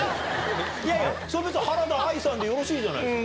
いやいや、それは別に原田愛さんでよろしいじゃないですか。